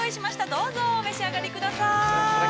どうぞお召し上がり下さい。